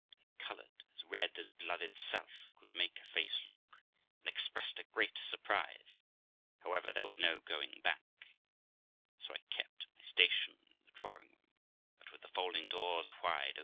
I coloured as red as blood itself could make a face look, and expressed a great surprise; however, there was no going back, so I kept my station in my drawing room, but with the folding doors wide open.